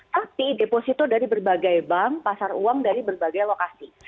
tapi deposito dari berbagai bank pasar uang dari berbagai lokasi